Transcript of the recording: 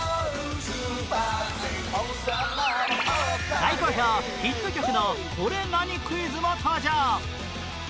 大好評ヒット曲のこれ何クイズも登場